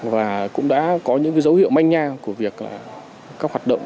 và cũng đã có những dấu hiệu manh nha của việc các hoạt động